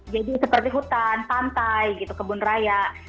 jadi seperti hutan pantai gitu kebun raya